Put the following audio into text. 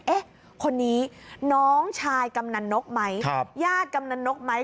เอ๊ะคนนี้น้องชายกำนันนกไหมญาติกำนันนกไหม